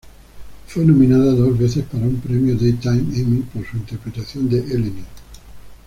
Fue nominada dos veces para un Premio Daytime Emmy por su interpretación de Eleni.